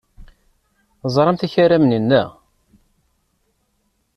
Teẓramt akaram-nni, naɣ?